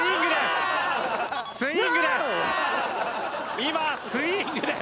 今スイングです。